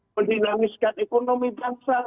mendinamiskan ekonomi bangsa